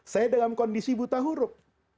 saya dalam kondisi buta huruf